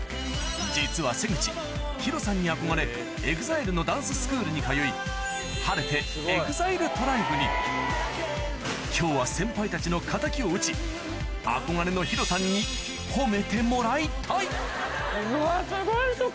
実は瀬口ＨＩＲＯさんに憧れＥＸＩＬＥのダンススクールに通い晴れてＥＸＩＬＥＴＲＩＢＥに今日は憧れのＨＩＲＯさんにうわすごいひと口。